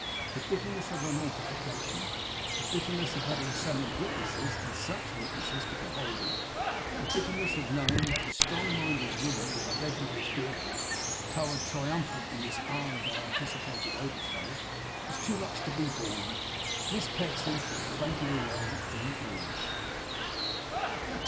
The bitterness of her mortification; the bitterness of having summoned witnesses, and such witnesses, to behold it; the bitterness of knowing that the strong minded women and the red nosed daughters towered triumphant in this hour of their anticipated overthrow; was too much to be borne. Miss Pecksniff had fainted away in earnest.